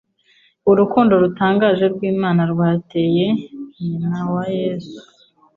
Urukundo rutangaje rw'Imana rwateye nyina wa Yesu